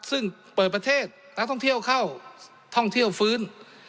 ซึ่งเปิดประเทศนักท่องเที่ยวเข้าท่องเที่ยวฟื้น